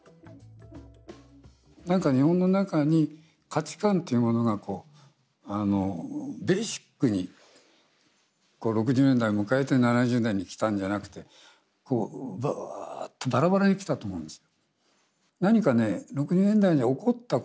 何か日本の中に価値観というものがベーシックに６０年代を迎えて７０年代にきたんじゃなくてこうグーッとバラバラにきたと思うんです。